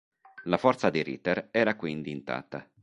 La forza di Ritter era quindi intatta.